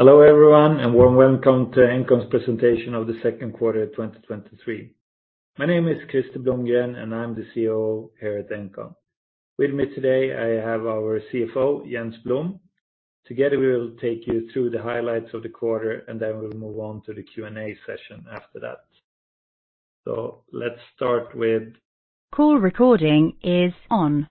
Hello, everyone, warm welcome to Engcon's presentation of the second quarter of 2023. My name is Krister Blomgren, I'm the CEO here at Engcon. With me today, I have our CFO, Jens Blom. Together, we will take you through the highlights of the quarter, then we'll move on to the Q&A session after that. Let's start. Call recording is on.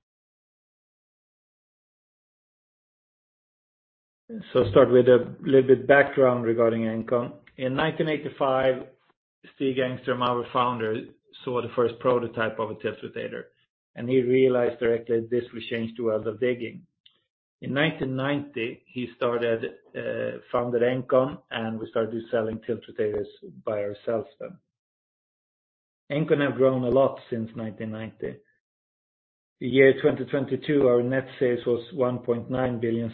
Start with a little bit background regarding engcon. In 1985, Stig Engström, our founder, saw the first prototype of a tiltrotator, and he realized directly this will change the world of digging. In 1990, he started, founded engcon, and we started selling tiltrotators by ourselves then. engcon have grown a lot since 1990. The year 2022, our net sales was 1.9 billion,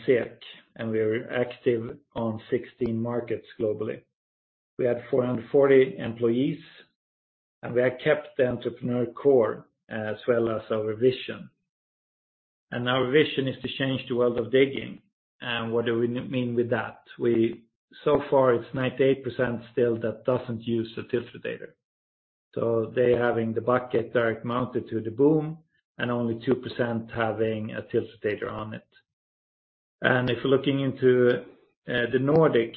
and we are active on 16 markets globally. We had 440 employees, and we have kept the entrepreneurial core as well as our vision. Our vision is to change the world of digging. What do we mean with that? So far, it's 98% still that doesn't use a tiltrotator. They're having the bucket direct mounted to the boom and only 2% having a tiltrotator on it. If you're looking into the Nordic,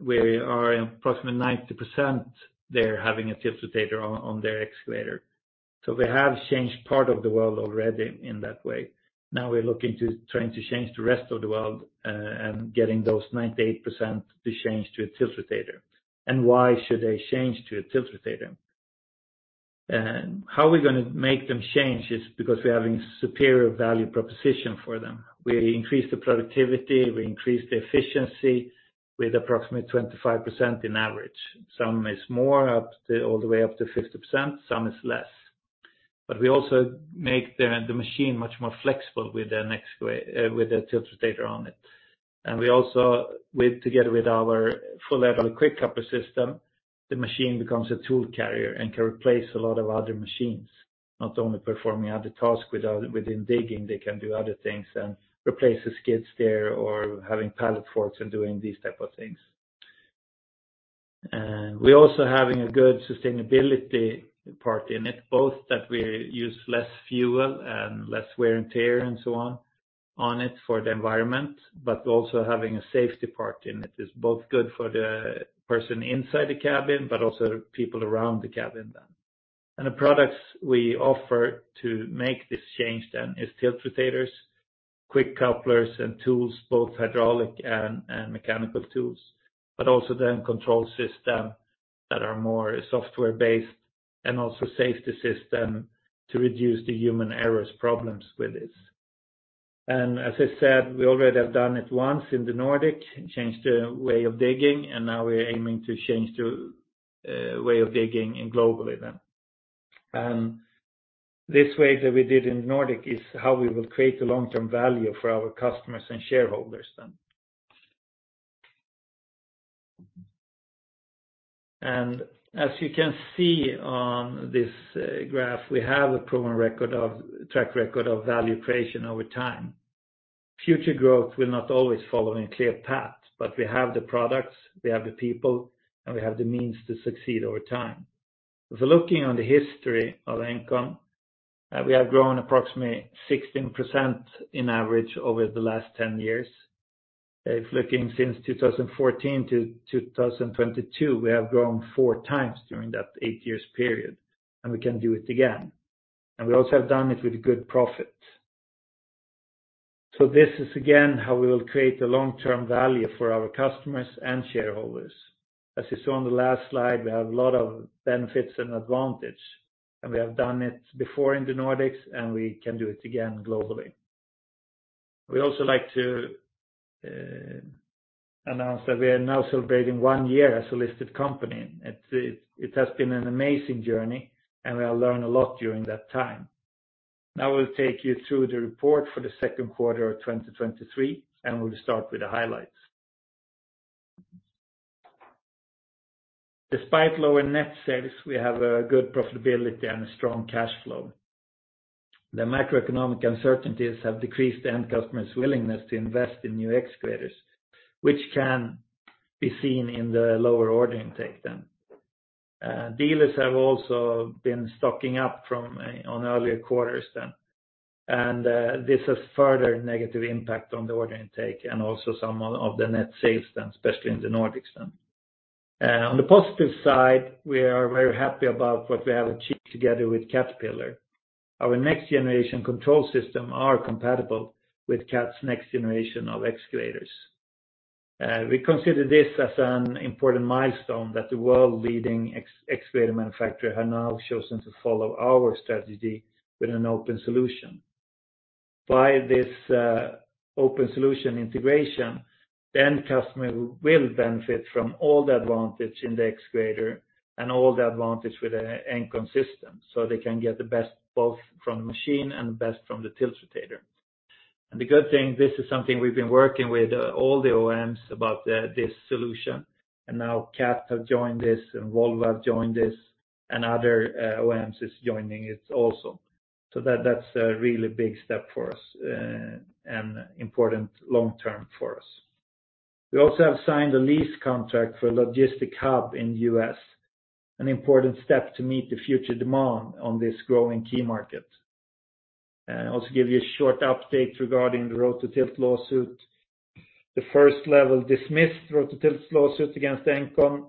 we are approximately 90% there having a tiltrotator on their excavator. We have changed part of the world already in that way. Now we're looking to trying to change the rest of the world and getting those 98% to change to a tiltrotator. Why should they change to a tiltrotator? How are we gonna make them change is because we're having superior value proposition for them. We increase the productivity, we increase the efficiency with approximately 25% in average. Some is more, all the way up to 50%, some is less. We also make the machine much more flexible with the next way with a tiltrotator on it. We also, with together with our full level quick coupler system, the machine becomes a tool carrier and can replace a lot of other machines, not only performing at the task within digging, they can do other things and replace the skid steer or having pallet forks and doing these type of things. We're also having a good sustainability part in it, both that we use less fuel and less wear and tear and so on it for the environment, but also having a safety part in it is both good for the person inside the cabin, but also people around the cabin then. The products we offer to make this change then is tiltrotators, quick couplers and tools, both hydraulic and mechanical tools, but also the Engcon Control System that are more software-based and also safety system to reduce the human errors problems with this. As I said, we already have done it once in the Nordic, changed the way of digging, and now we're aiming to change the way of digging in globally then. This way that we did in Nordic is how we will create a long-term value for our customers and shareholders then. As you can see on this graph, we have a proven track record of value creation over time. Future growth will not always follow a clear path, we have the products, we have the people, and we have the means to succeed over time. If you're looking on the history of Engcon, we have grown approximately 16% in average over the last 10 years. If looking since 2014-2022, we have grown 4x during that eight years period. We can do it again. We also have done it with good profit. This is, again, how we will create a long-term value for our customers and shareholders. As you saw on the last slide, we have a lot of benefits and advantage, and we have done it before in the Nordics, and we can do it again globally. We'd also like to announce that we are now celebrating one year as a listed company. It has been an amazing journey, and we have learned a lot during that time. We'll take you through the report for the 2Q of 2023. We'll start with the highlights. Despite lower net sales, we have a good profitability and a strong cash flow. The macroeconomic uncertainties have decreased the end customer's willingness to invest in new excavators, which can be seen in the lower order intake then. Dealers have also been stocking up on earlier quarters then. This has further negative impact on the order intake and also some of the net sales then, especially in the Nordics then. On the positive side, we are very happy about what we have achieved together with Caterpillar. Our next generation control system are compatible with Cat's next generation of excavators. We consider this as an important milestone that the world-leading excavator manufacturer have now chosen to follow our strategy with an open solution. By this open solution integration, then customer will benefit from all the advantage in the excavator and all the advantage with an engcon system, so they can get the best both from the machine and the best from the tiltrotator. The good thing, this is something we've been working with all the OEMs about this solution, and now Cat have joined this, and Volvo have joined this, and other OEMs is joining it also. That's a really big step for us and important long term for us. We also have signed a lease contract for a logistic hub in the U.S., an important step to meet the future demand on this growing key market. I'll also give you a short update regarding the Rototilt lawsuit. The first level dismissed Rototilt's lawsuit against engcon.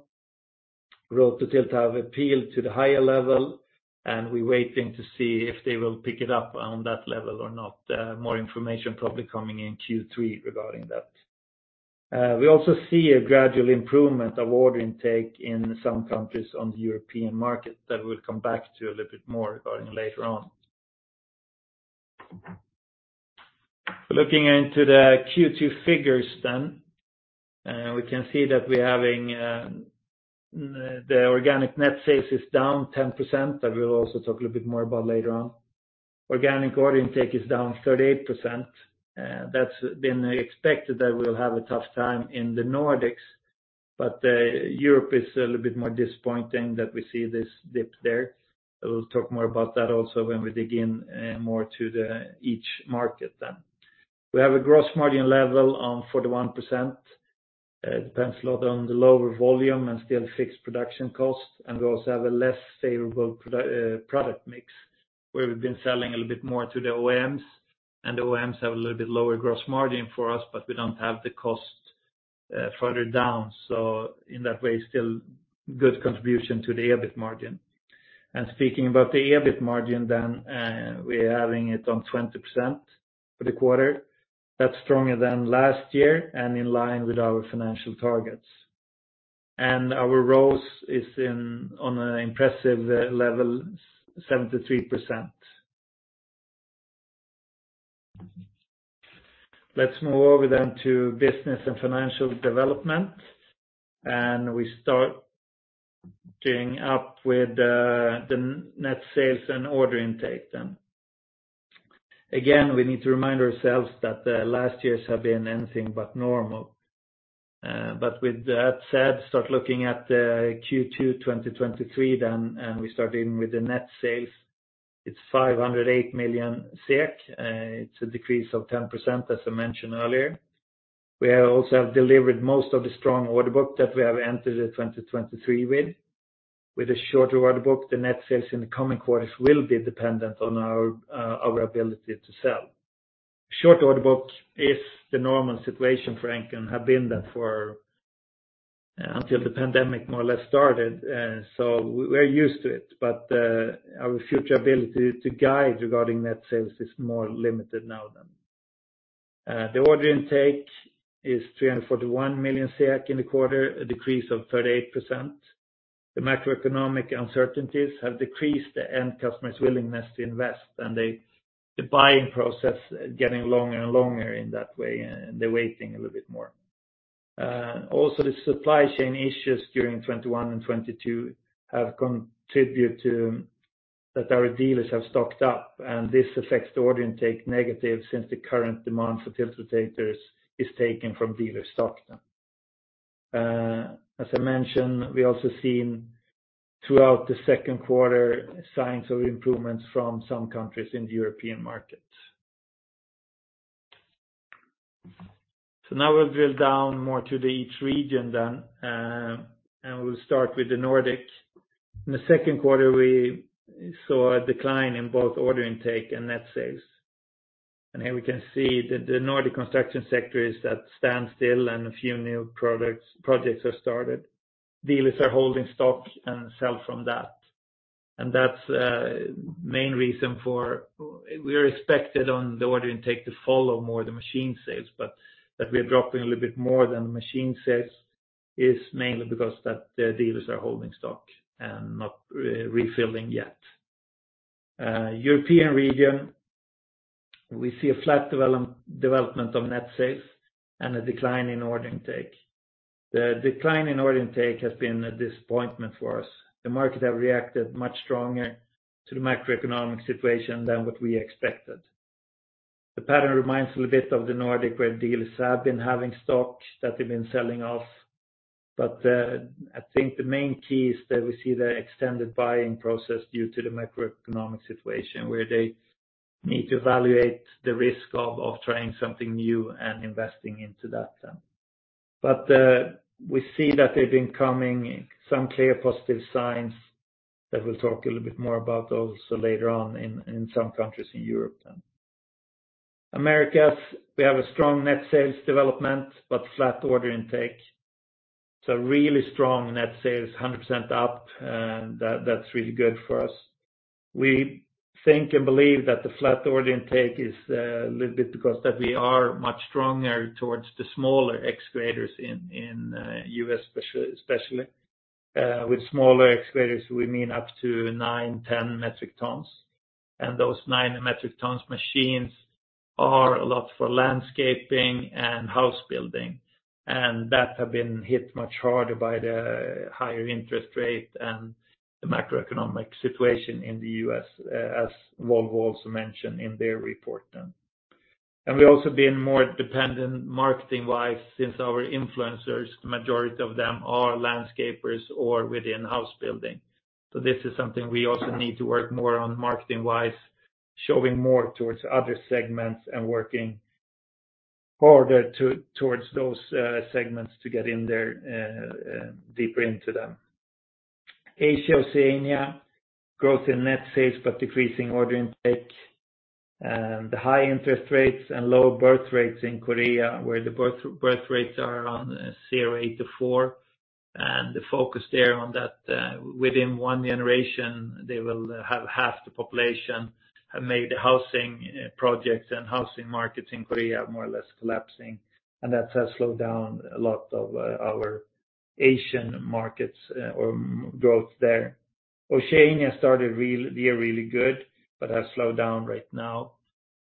Rototilt have appealed to the higher level. We're waiting to see if they will pick it up on that level or not. More information probably coming in Q3 regarding that. We also see a gradual improvement of order intake in some countries on the European market that we'll come back to a little bit more regarding later on. Looking into the Q2 figures, we can see that we're having the organic net sales is down 10%, that we'll also talk a little bit more about later on. Organic order intake is down 38%. That's been expected that we'll have a tough time in the Nordics. Europe is a little bit more disappointing that we see this dip there. We'll talk more about that also when we dig in more to the each market. We have a gross margin level on 41%. It depends a lot on the lower volume and still fixed production cost, and we also have a less favorable product mix, where we've been selling a little bit more to the OEMs, and the OEMs have a little bit lower gross margin for us, but we don't have the cost further down. In that way, still good contribution to the EBIT margin. Speaking about the EBIT margin, then, we're having it on 20% for the quarter. That's stronger than last year and in line with our financial targets. Our ROCE is in, on an impressive level, 73%. Let's move over then to business and financial development. We start doing up with the net sales and order intake then. We need to remind ourselves that the last years have been anything but normal. With that said, start looking at the Q2 2023. We start in with the net sales. It's 508 million SEK. It's a decrease of 10%, as I mentioned earlier. We have also delivered most of the strong order book that we have entered the 2023 with. With a shorter order book, the net sales in the coming quarters will be dependent on our ability to sell. Short order book is the normal situation for Engcon, have been that for until the pandemic more or less started, so we're used to it. Our future ability to guide regarding net sales is more limited now than. The order intake is 341 million in the quarter, a decrease of 38%. The macroeconomic uncertainties have decreased the end customer's willingness to invest, and the buying process getting longer and longer in that way, and they're waiting a little bit more. Also, the supply chain issues during 2021 and 2022 have contributed to that our dealers have stocked up, and this affects the order intake negative since the current demand for tiltrotators is taken from dealer stock. As I mentioned, we also seen throughout the second quarter, signs of improvements from some countries in the European market. Now we'll drill down more to the each region then, and we'll start with the Nordics. In the second quarter, we saw a decline in both order intake and net sales. Here we can see that the Nordic construction sector is at standstill and a few new products, projects have started. Dealers are holding stock and sell from that. That's main reason for. We are expected on the order intake to follow more the machine sales, but that we're dropping a little bit more than the machine sales is mainly because that the dealers are holding stock and not refilling yet. European region, we see a flat development of net sales and a decline in order intake. The decline in order intake has been a disappointment for us. The market have reacted much stronger to the macroeconomic situation than what we expected. The pattern reminds me a bit of the Nordic, where dealers have been having stock that they've been selling off. I think the main key is that we see the extended buying process due to the macroeconomic situation, where they need to evaluate the risk of trying something new and investing into that then. We see that they've been coming some clear positive signs that we'll talk a little bit more about those later on in some countries in Europe then. Americas, we have a strong net sales development, but flat order intake. Really strong net sales, 100% up, and that's really good for us. We think and believe that the flat order intake is a little bit because that we are much stronger towards the smaller excavators in U.S., especially. With smaller excavators, we mean up to nine, 10 metric tons. Those 9 metric tons machines are a lot for landscaping and house building, that have been hit much harder by the higher interest rate and the macroeconomic situation in the U.S., as Volvo also mentioned in their report then. We've also been more dependent marketing-wise, since our influencers, the majority of them are landscapers or within house building. This is something we also need to work more on marketing-wise, showing more towards other segments and working harder towards those segments to get in there deeper into them. Asia-Oceania, growth in net sales, but decreasing order intake, and the high interest rates and low birth rates in Korea, where the birth rates are around 0.8-four, and the focus there on that, within one generation, they will have half the population, have made housing projects and housing markets in Korea more or less collapsing. That has slowed down a lot of our Asian markets or growth there. Oceania started the year really good, but has slowed down right now.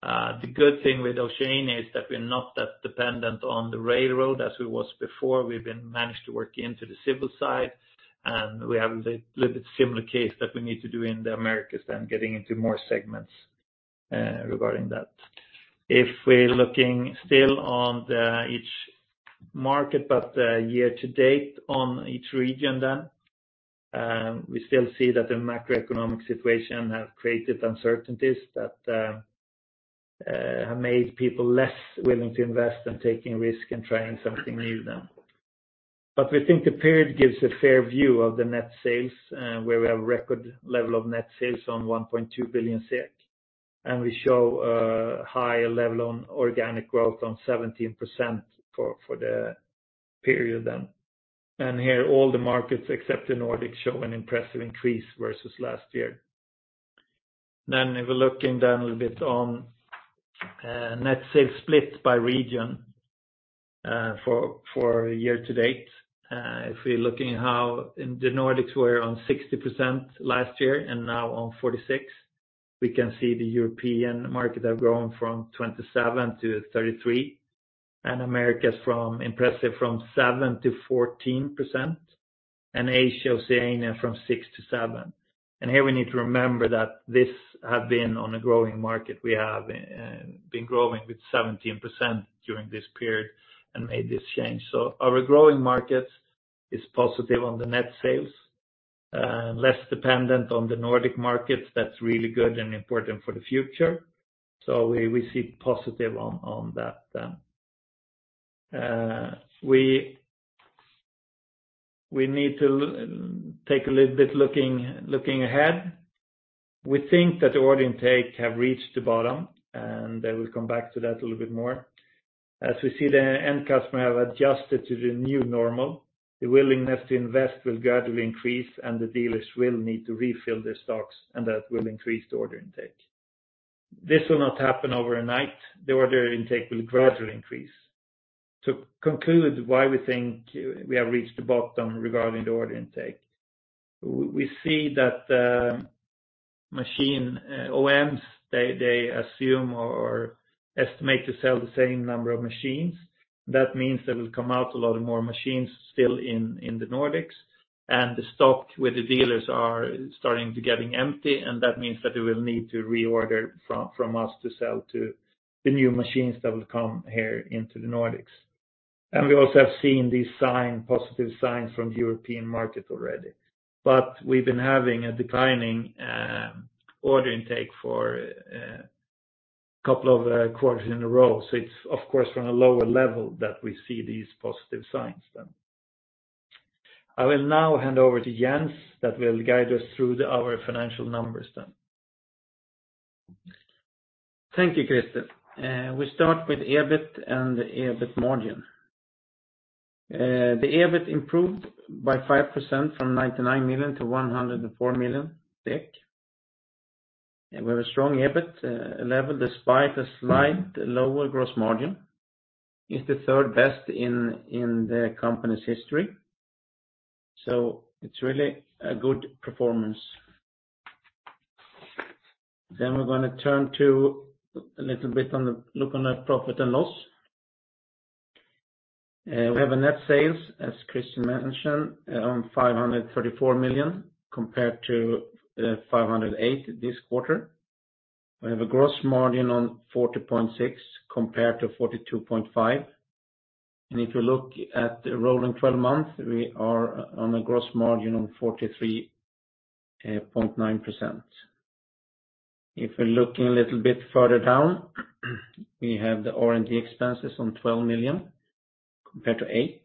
The good thing with Oceania is that we're not that dependent on the railroad as we was before. We've been managed to work into the civil side, and we have a little bit similar case that we need to do in the Americas than getting into more segments regarding that. If we're looking still on the each market, but year to date on each region then, we still see that the macroeconomic situation have created uncertainties that have made people less willing to invest and taking risk in trying something new then. We think the period gives a fair view of the net sales, where we have a record level of net sales on 1.2 billion, and we show a high level on organic growth on 17% for the period then. Here, all the markets, except in Nordic, show an impressive increase versus last year. If we're looking down a little bit on net sales split by region for year to date, if we're looking how in the Nordics were on 60% last year and now on 46%, we can see the European market have grown from 27%-33%, and Americas from impressive from 7%-14%, and Asia-Oceania from 6%-7%. Here we need to remember that this have been on a growing market. We have been growing with 17% during this period and made this change. Our growing market is positive on the net sales, less dependent on the Nordic markets. That's really good and important for the future. We see positive on that then. We need to take a little bit looking ahead. We think that the order intake have reached the bottom. I will come back to that a little bit more. As we see, the end customer have adjusted to the new normal, the willingness to invest will gradually increase. The dealers will need to refill their stocks. That will increase the order intake. This will not happen over a night. The order intake will gradually increase. To conclude, why we think we have reached the bottom regarding the order intake. We see that machine OEMs assume or estimate to sell the same number of machines. That means there will come out a lot of more machines still in the Nordics, and the stock with the dealers are starting to getting empty, and that means that they will need to reorder from us to sell to the new machines that will come here into the Nordics. We also have seen these sign, positive signs from the European market already, but we've been having a declining order intake for couple of quarters in a row. It's, of course, from a lower level that we see these positive signs then. I will now hand over to Jens, that will guide us through our financial numbers then. Thank you, Krister. We start with EBIT and the EBIT margin. The EBIT improved by 5% from 99 million-104 million , and we have a strong EBIT level, despite a slight lower gross margin. It's the third best in the company's history, so it's really a good performance. We're going to turn to a little bit look on the profit and loss. We have a net sales, as Krister mentioned, on 534 million compared to 508 million this quarter. We have a gross margin on 40.6% compared to 42.5%. If you look at the rolling twelve months, we are on a gross margin on 43.9%. If we're looking a little bit further down, we have the R&D expenses on 12 million compared to 8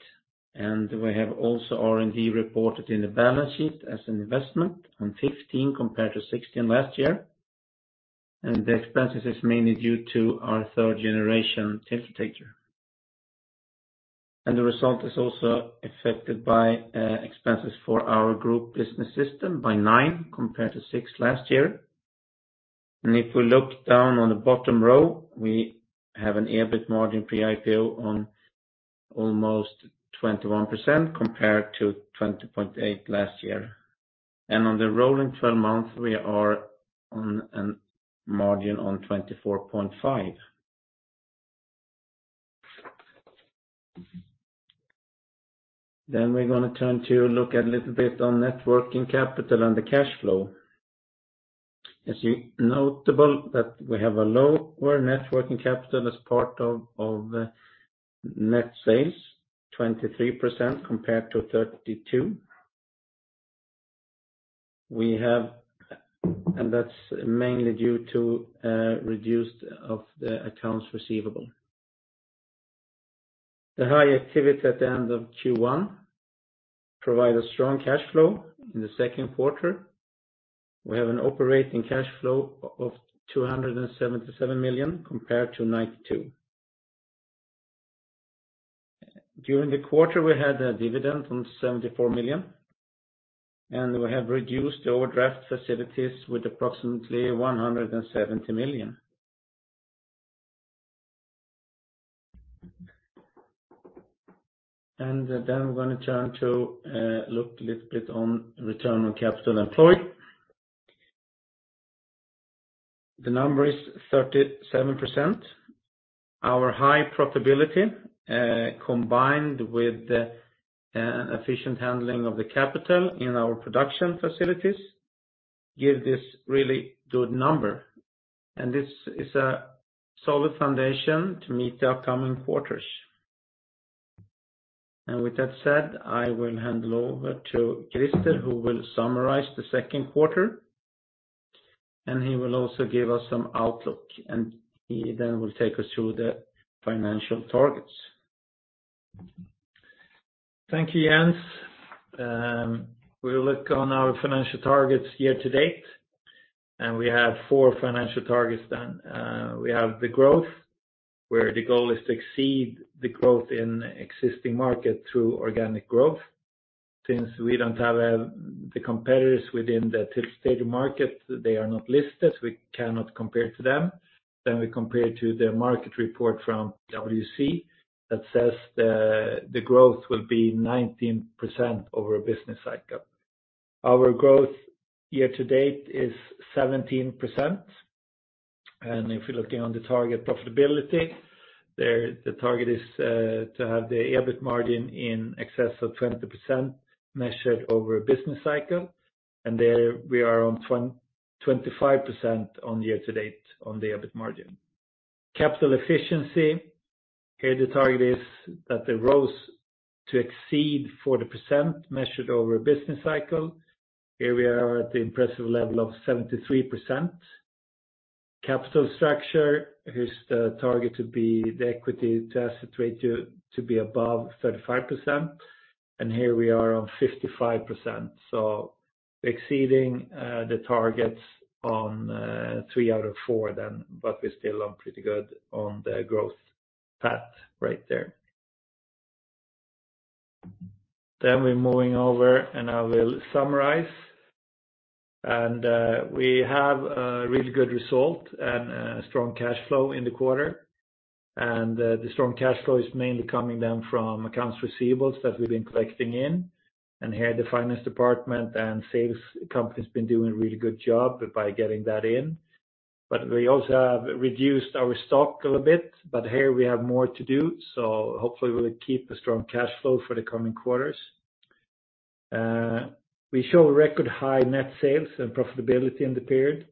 million, and we have also R&D reported in the balance sheet as an investment on 15 million compared to 16 million last year. The expenses is mainly due to our third generation tiltrotator. The result is also affected by expenses for our group business system by 9 million compared to 6 million last year. If we look down on the bottom row, we have an EBIT margin pre-IPO on almost 21% compared to 20.8% last year. On the rolling 12 months, we are on a margin on 24.5%. We're going to turn to look a little bit on net working capital and the cash flow. Notable that we have a lower net working capital as part of net sales, 23% compared to 32%. That's mainly due to reduced of the accounts receivable. The high activity at the end of Q1 provide a strong cash flow in the second quarter. We have an operating cash flow of 277 million compared to 92 million. During the quarter, we had a dividend on 74 million, and we have reduced overdraft facilities with approximately 170 million. Then we're going to turn to look a little bit on return on capital employed. The number is 37%. Our high profitability, combined with the efficient handling of the capital in our production facilities, give this really good number, and this is a solid foundation to meet the upcoming quarters. With that said, I will hand over to Krister, who will summarize the second quarter, and he will also give us some outlook, and he then will take us through the financial targets. Thank you, Jens. We'll look on our financial targets year to date. We have four financial targets then. We have the growth, where the goal is to exceed the growth in existing market through organic growth. Since we don't have the competitors within the tiltrotator market, they are not listed, we cannot compare to them. We compare to the market report from PwC that says the growth will be 19% over a business cycle. Our growth year to date is 17%. If you're looking on the target profitability, there, the target is to have the EBIT margin in excess of 20%, measured over a business cycle, and there we are on 25% on year to date on the EBIT margin. Capital efficiency, here, the target is that the ROCE to exceed 40%, measured over a business cycle. Here we are at the impressive level of 73%. Capital structure, here's the target to be the equity to asset ratio to be above 35%, and here we are on 55%, so exceeding the targets on three out of four then, but we're still on pretty good on the growth path right there. We're moving over, and I will summarize. We have a really good result and a strong cash flow in the quarter, and the strong cash flow is mainly coming down from accounts receivables that we've been collecting in, and here, the finance department and sales company has been doing a really good job by getting that in. We also have reduced our stock a little bit, but here we have more to do, so hopefully we'll keep a strong cash flow for the coming quarters. We show record high net sales and profitability in the period.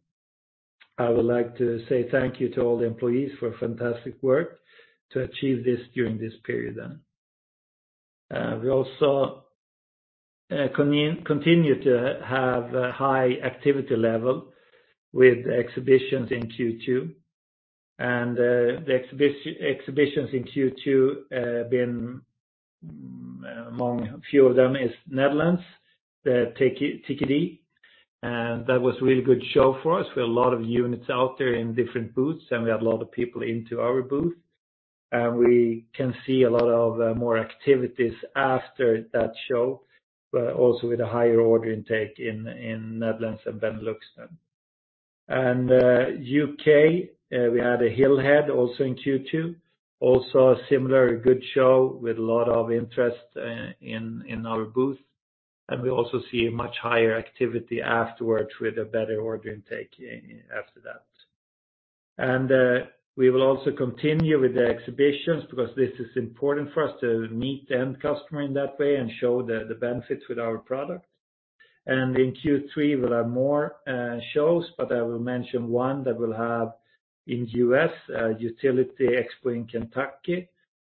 I would like to say thank you to all the employees for a fantastic work to achieve this during this period then. We also continue to have a high activity level with exhibitions in Q2, and the exhibitions in Q2 been among a few of them is Netherlands, the TKD. That was a really good show for us. We had a lot of units out there in different booths, we had a lot of people into our booth, we can see a lot of more activities after that show, but also with a higher order intake in Netherlands and Benelux then. U.K., we had a Hillhead also in Q2, also a similar good show with a lot of interest in our booth, we also see a much higher activity afterwards with a better order intake after that. We will also continue with the exhibitions because this is important for us to meet the end customer in that way and show the benefits with our product. In Q3, we'll have more shows, but I will mention one that we'll have in U.S., The Utility Expo in Kentucky.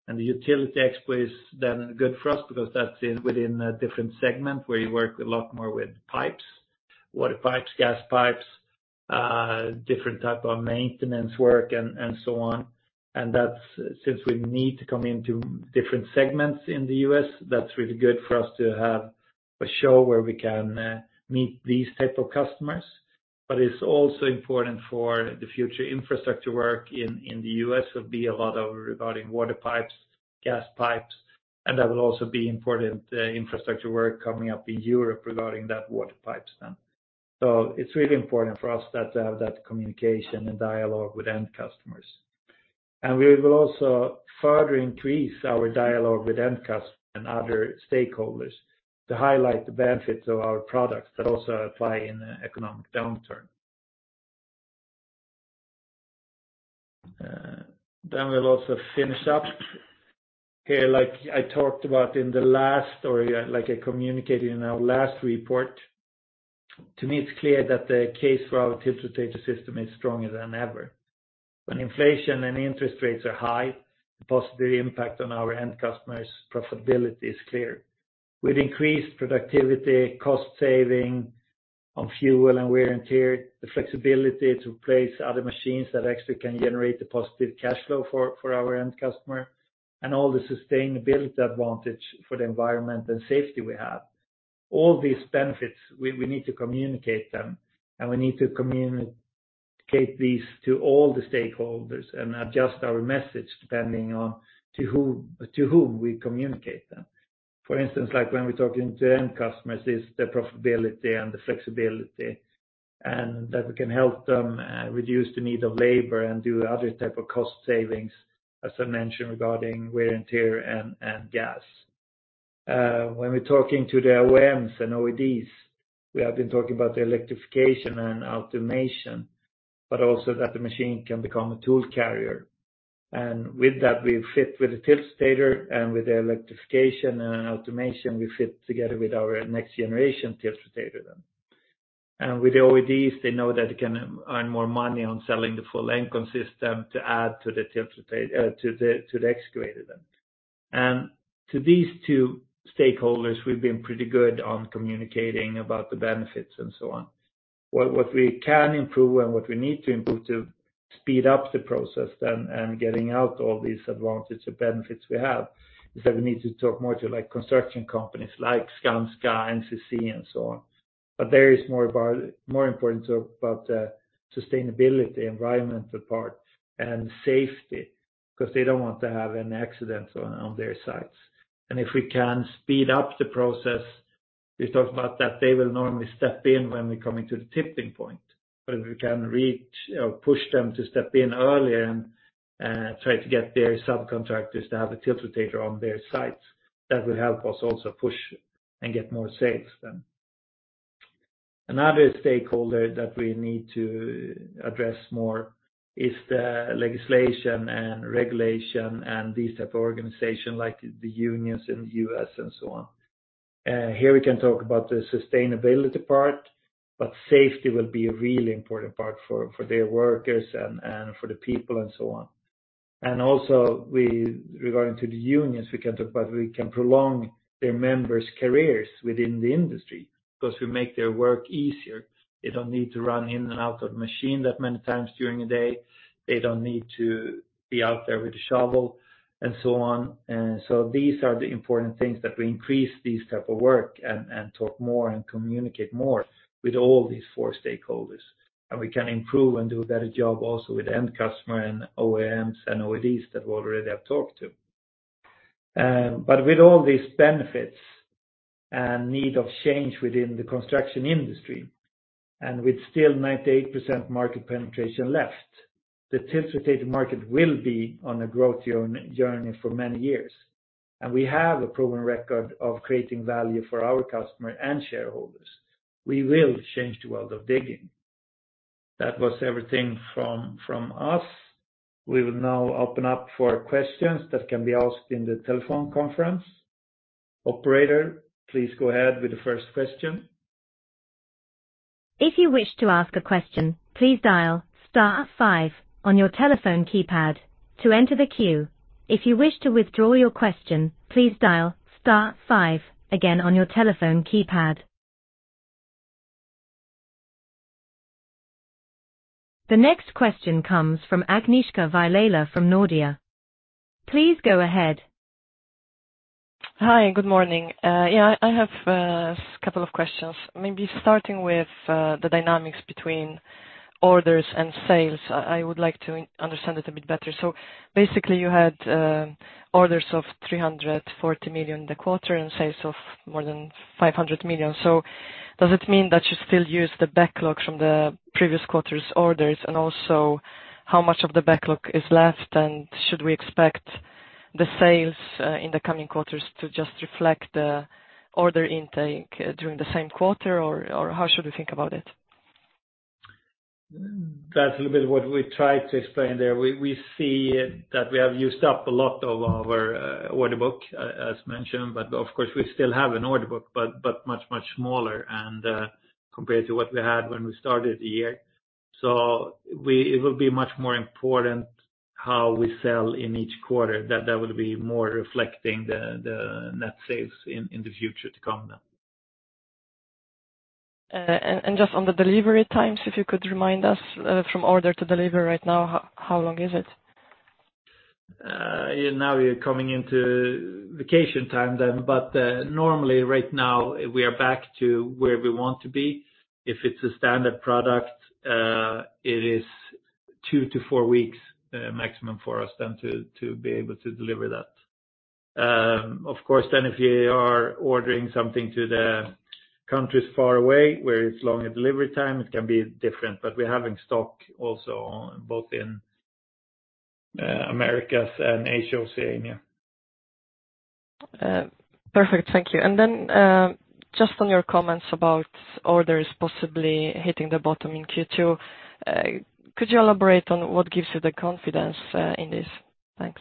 The Utility Expo is then good for us because that's within a different segment, where you work a lot more with pipes, water pipes, gas pipes, different type of maintenance work, and so on. That's, since we need to come into different segments in the U.S., that's really good for us to have a show where we can meet these type of customers. It's also important for the future infrastructure work in the U.S., it'll be a lot of regarding water pipes, gas pipes, and that will also be important infrastructure work coming up in Europe regarding that water pipes then. It's really important for us that to have that communication and dialogue with end customers. We will also further increase our dialogue with end customers and other stakeholders to highlight the benefits of our products that also apply in the economic downturn. We'll also finish up. Okay, like I talked about in the last, or like I communicated in our last report, to me, it's clear that the case for our tiltrotator system is stronger than ever. When inflation and interest rates are high, the positive impact on our end customers' profitability is clear. With increased productivity, cost saving on fuel and wear and tear, the flexibility to place other machines that actually can generate the positive cash flow for our end customer, and all the sustainability advatage for the environment and safety we have. All these benefits, we need to communicate them, and we need to communicate these to all the stakeholders and adjust our message depending on to whom we communicate them. For instance, like when we're talking to end customers, is the profitability and the flexibility, and that we can help them reduce the need of labor and do other type of cost savings, as I mentioned, regarding wear and tear and gas. When we're talking to the OEMs and OEDs, we have been talking about the electrification and automation, but also that the machine can become a tool carrier. With that, we fit with the tiltrotator, and with the electrification and automation, we fit together with our next generation tiltrotator then. With the OEMs, they know that they can earn more money on selling the full length system to add to the, to the excavator then. To these two stakeholders, we've been pretty good on communicating about the benefits and so on. What, what we can improve and what we need to improve to speed up the process then, and getting out all these advantages and benefits we have, is that we need to talk more to, like, construction companies like Skanska, NCC, and so on. There is more important about the sustainability, environmental part, and safety, because they don't want to have any accidents on their sites. If we can speed up the process, we talked about that they will normally step in when we're coming to the tipping point. If we can reach or push them to step in earlier and try to get their subcontractors to have a tiltrotator on their sites, that will help us also push and get more sales then. Another stakeholder that we need to address more is the legislation and regulation and these type of organization, like the unions in the U.S. and so on. Here we can talk about the sustainability part, but safety will be a really important part for their workers and for the people and so on. Also, with regarding to the unions, we can talk about we can prolong their members' careers within the industry because we make their work easier. They don't need to run in and out of the machine that many times during the day. They don't need to be out there with a shovel and so on. These are the important things that we increase these type of work and talk more and communicate more with all these four stakeholders. We can improve and do a better job also with end customer and OEMs and OEDs that we already have talked to. With all these benefits and need of change within the construction industry, and with still 98% market penetration left, the tiltrotator market will be on a growth journey for many years. We have a proven record of creating value for our customer and shareholders. We will change the world of digging. That was everything from us. We will now open up for questions that can be asked in the telephone conference. Operator, please go ahead with the first question. If you wish to ask a question, please dial star five on your telephone keypad to enter the queue. If you wish to withdraw your question, please dial star five again on your telephone keypad. The next question comes from Agnieszka Vilela from Nordea. Please go ahead. Hi, good morning. Yeah, I have a couple of questions. Maybe starting with the dynamics between orders and sales. I would like to understand it a bit better. Basically, you had orders of 340 million in the quarter and sales of more than 500 million. Does it mean that you still use the backlog from the previous quarter's orders? Also, how much of the backlog is left, and should we expect the sales in the coming quarters to just reflect the order intake during the same quarter, or how should we think about it? That's a little bit what we tried to explain there. We see that we have used up a lot of our order book, as mentioned, but of course, we still have an order book, but much smaller, and compared to what we had when we started the year. It will be much more important how we sell in each quarter, that will be more reflecting the net sales in the future to come then. Just on the delivery times, if you could remind us, from order to deliver right now, how long is it? Now we're coming into vacation time then, but normally right now, we are back to where we want to be. If it's a standard product, it is two-four weeks maximum for us then to be able to deliver that. Of course, then if you are ordering something to the countries far away, where it's longer delivery time, it can be different, but we're having stock also on both in Americas and Asia, Oceania. Perfect, thank you. Just on your comments about orders possibly hitting the bottom in Q2, could you elaborate on what gives you the confidence in this? Thanks.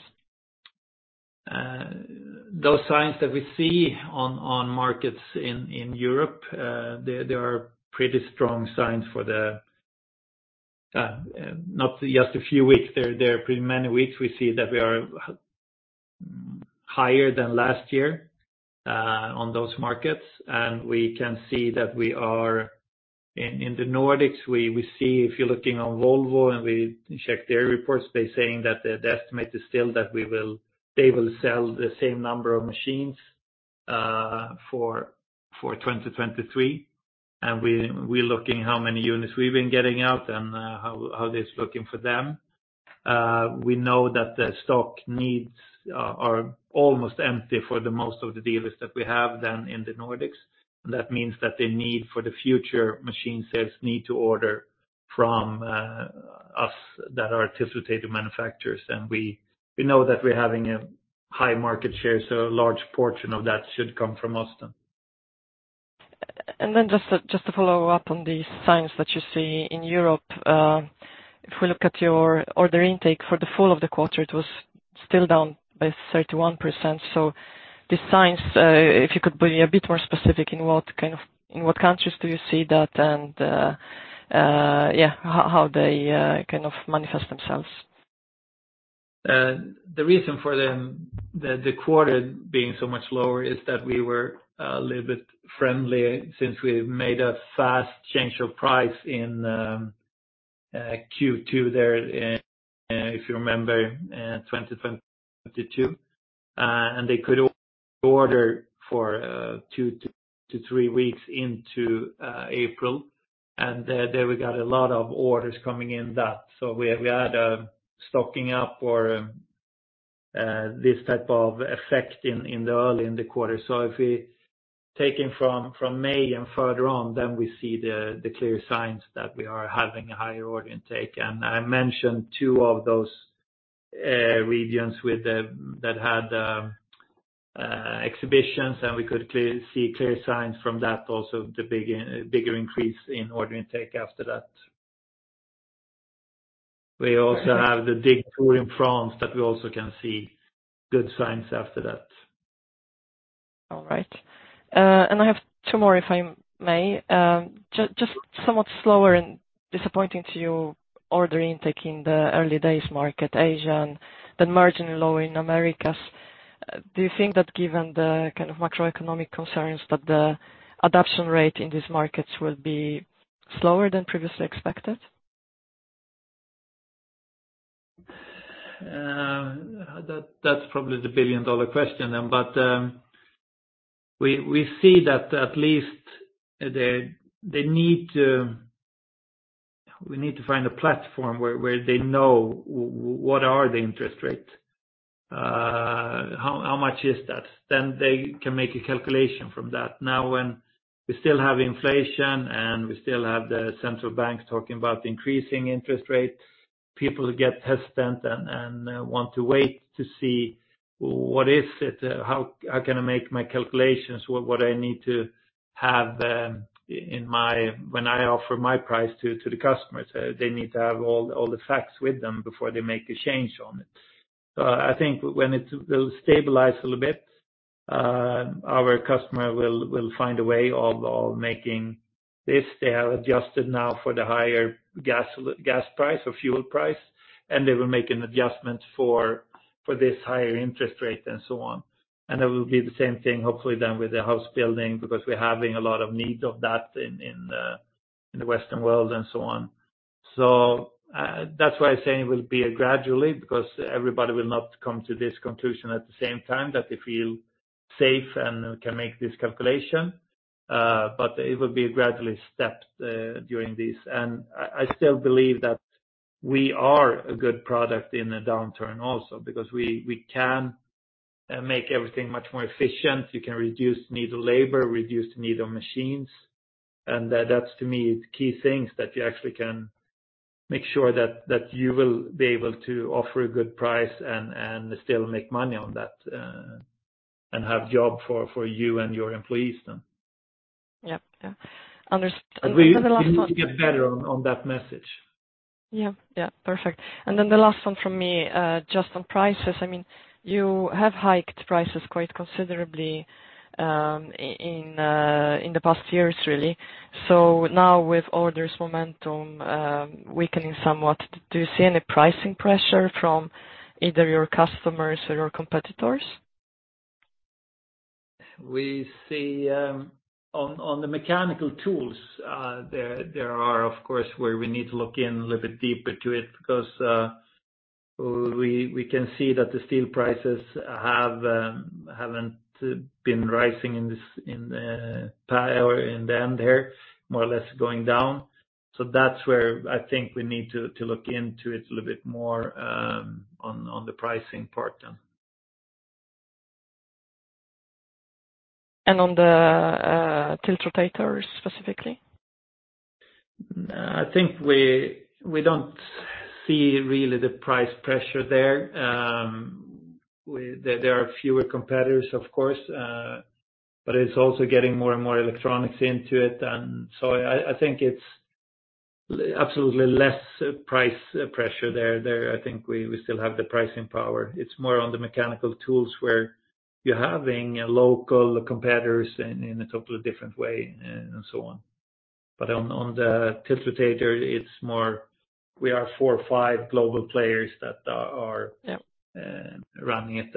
Those signs that we see on markets in Europe, they are pretty strong signs for not just a few weeks, they are pretty many weeks. We see that we are higher than last year on those markets, and we can see that we are. In the Nordics, we see if you're looking on Volvo and we check their reports, they're saying that the estimate is still that they will sell the same number of machines for 2023. We're looking how many units we've been getting out and how this is looking for them. We know that the stock needs are almost empty for the most of the dealers that we have than in the Nordics. That means that the need for the future machine sales need to order from, us that are tiltrotator manufacturers. We know that we're having a high market share, so a large portion of that should come from us then. Just to follow up on the signs that you see in Europe, if we look at your order intake for the fall of the quarter, it was still down by 31%. The signs, if you could be a bit more specific, in what countries do you see that, how they kind of manifest themselves? The reason for them, the quarter being so much lower is that we were a little bit friendly since we made a fast change of price in Q2 there, if you remember, in 2022. They could order for two-three weeks into April, and there we got a lot of orders coming in that. We had stocking up or this type of effect in the early in the quarter. If we taking from May and further on, then we see the clear signs that we are having a higher order intake. I mentioned two of those regions that had exhibitions, and we could see clear signs from that, also, the bigger increase in order intake after that. We also have the Dig Tour in France that we also can see good signs after that. All right. I have two more, if I may. Just somewhat slower and disappointing to you, order intake in the early days market, Asia, and then margin low in Americas. Do you think that given the kind of macroeconomic concerns, that the adoption rate in these markets will be slower than previously expected? That's probably the billion-dollar question then, but we see that at least the need to find a platform where they know what are the interest rates, how much is that? They can make a calculation from that. Now, when we still have inflation, and we still have the central banks talking about increasing interest rates, people get hesitant and want to wait to see what is it, how can I make my calculations, what I need to have in my when I offer my price to the customer. They need to have all the facts with them before they make a change on it. I think when it will stabilize a little bit, our customer will find a way of making this. They have adjusted now for the higher gas price or fuel price, they will make an adjustment for this higher interest rate and so on. That will be the same thing, hopefully then with the house building, because we're having a lot of need of that in the Western world and so on. That's why I say it will be a gradually, because everybody will not come to this conclusion at the same time, that they feel safe and can make this calculation. It will be a gradually stepped during this. I still believe that we are a good product in a downturn also because we can make everything much more efficient. You can reduce need of labor, reduce need of machines, and that's, to me, key things that you actually can make sure that you will be able to offer a good price and still make money on that and have job for you and your employees then. Yep. Yeah. then the last one- We need to get better on that message. Yeah, perfect. The last one from me, just on prices. I mean, you have hiked prices quite considerably, in the past years, really. Now with orders momentum weakening somewhat, do you see any pricing pressure from either your customers or your competitors? We see on the mechanical tools, there are, of course, where we need to look in a little bit deeper to it because, we can see that the steel prices have haven't been rising in this, or in the end here, more or less going down. That's where I think we need to look into it a little bit more on the pricing part then. On the tiltrotators specifically? I think we don't see really the price pressure there. There are fewer competitors, of course, but it's also getting more and more electronics into it. I think it's absolutely less price pressure there. I think we still have the pricing power. It's more on the mechanical tools where you're having local competitors in a totally different way and so on. On the tiltrotator, it's more we are four or five global players that are. Yeah... running it.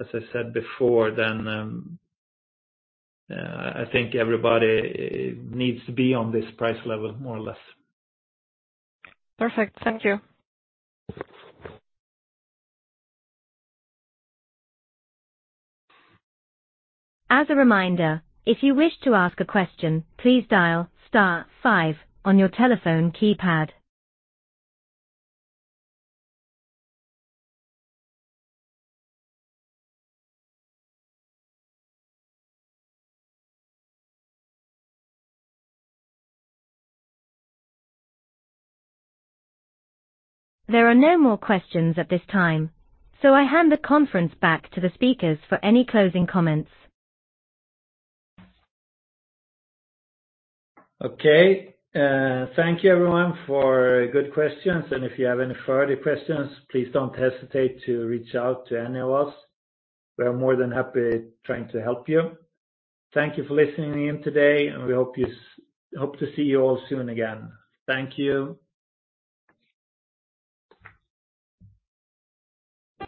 As I said before, then, I think everybody needs to be on this price level, more or less. Perfect. Thank you. As a reminder, if you wish to ask a question, please dial star five on your telephone keypad. I hand the conference back to the speakers for any closing comments. Okay. Thank you, everyone, for good questions, and if you have any further questions, please don't hesitate to reach out to any of us. We are more than happy trying to help you. Thank you for listening in today, and we hope to see you all soon again. Thank you.